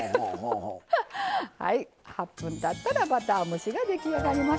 はい８分たったらバター蒸しが出来上がりました。